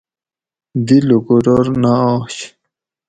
دی لوکوٹور نہ آش